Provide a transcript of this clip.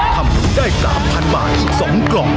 ทำบุญได้๓๐๐๐บาทอีก๒กล่อง